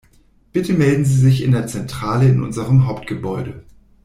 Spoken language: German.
Bitte melden Sie sich in der Zentrale in unserem Hauptgebäude.